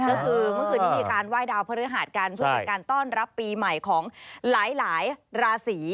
ก็คือเมื่อคืนนี้มีการไหว้ดาวพระฤหัสกันเพื่อเป็นการต้อนรับปีใหม่ของหลายราศี